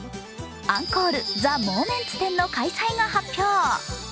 「アンコール！ザ・モーメンツ展」の開催が発表。